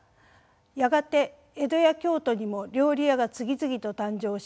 やがて江戸や京都にも料理屋が次々と誕生します。